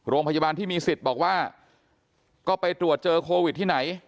โรงพยาบาลที่มีสิทธิ์บอกว่าก็ไปตรวจเจอโควิดที่ไหน